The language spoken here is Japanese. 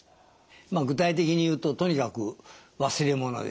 まあ具体的に言うととにかく忘れ物ですね。